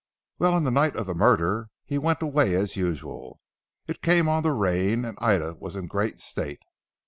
"Well, on the night of the murder, he went away as usual. It came on to rain and Ida was in a great state.